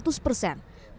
tim liputan cnn indonesia